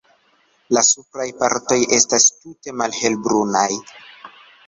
La supraj partoj estas tute malhelbrunaj.